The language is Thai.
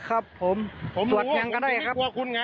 ครับผมตรวจยังก็ได้ครับ